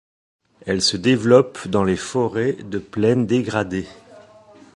Elle se développe dans les forêts de plaines dégradées.